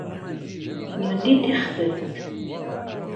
Yendi tifxet.